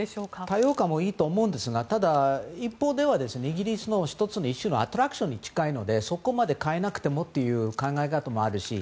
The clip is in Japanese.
多様化もいいと思うんですがただ、一方ではイギリスの一種のアトラクションに近いのでそこまで変えなくてもという考え方もあるし。